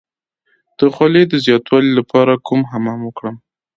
د خولې د زیاتوالي لپاره کوم حمام وکړم؟